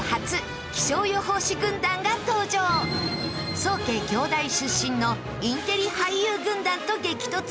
早・慶・京大出身のインテリ俳優軍団と激突します。